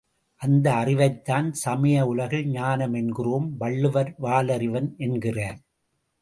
அந்த அறிவைத்தான் சமய உலகில் ஞானம் என்கிறோம் வள்ளுவர் வாலறிவன் என்கிறார்.